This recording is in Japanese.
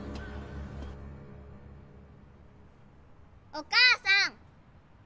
お母さん！